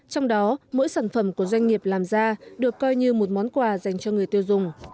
trong đó mỗi sản phẩm của doanh nghiệp làm ra được coi như một món quà dành cho người tiêu dùng